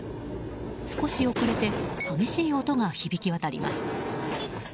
少し遅れて激しい音が響き渡ります。